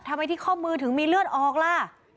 ที่ข้อมือถึงมีเลือดออกล่ะ